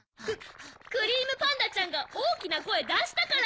クリームパンダちゃんがおおきなこえだしたから！